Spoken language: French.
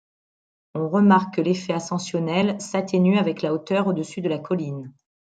On remarque que l'effet ascensionnel s'atténue avec la hauteur au-dessus de la colline.